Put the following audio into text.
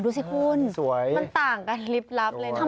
ดูสิคุณมันต่างกันลิบลับเลยนะ